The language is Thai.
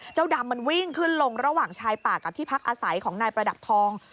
ดำมันวิ่งขึ้นลงระหว่างชายป่ากับที่พักอาศัยของนายประดับทอง